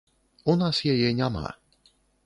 У нас яе няма.